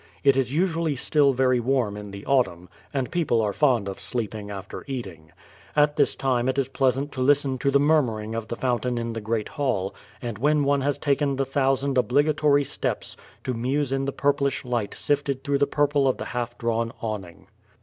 It is usually still very warm in the autumn, and people are fond of sleeping after eating. At this time it is pleasant to listen to the murmur ing of the fountain in the great hall, and when one has taken the thousand obligatory steps, to muse in the purplish light sifted through the purple of the half drawn awning.